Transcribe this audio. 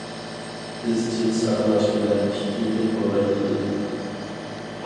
ئىزچىل ساقلاش بىلەن ئىككى يىل بولاي دېدى.